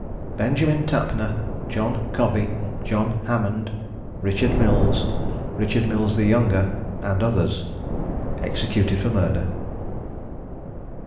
BENJAMIN TAPNER, JOHN COBBY, JOHN HAMMOND, RICHARD MILLS, RICHARD MILLS THE YOUNGER, AND OTHERS. EXECUTED FOR MURDER.